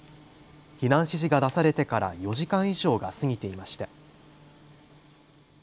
避難指示が出されてから４時間以上が過ぎていました。